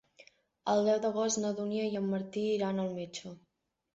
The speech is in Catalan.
El deu d'agost na Dúnia i en Martí iran al metge.